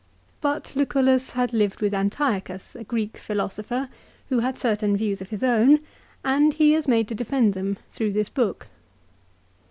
But Lucullus had lived with Antiochus, a Greek philosopher, who had certain views of his own, and he is made to defend them through this book.